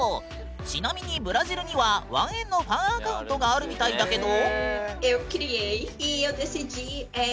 ちなみにブラジルにはワンエンのファンアカウントがあるみたいだけど。